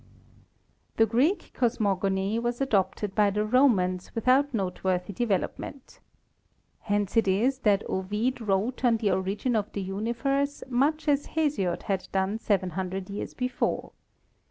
The Greek cosmogony was adopted by the Romans with out noteworthy development. Hence it is that Ovid wrote on the origin of the universe much as Hesiod had done seven hundred years before.